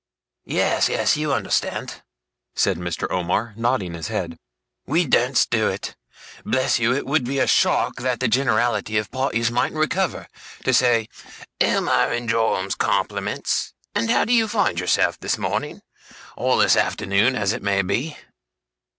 'Yes, yes, you understand,' said Mr. Omer, nodding his head. 'We dursn't do it. Bless you, it would be a shock that the generality of parties mightn't recover, to say "Omer and Joram's compliments, and how do you find yourself this morning?" or this afternoon as it may be.